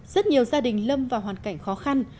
rất nhiều gia đình lâm vào hoàn cảnh khó khăn